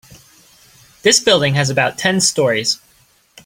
This building has about ten storeys.